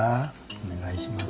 お願いします。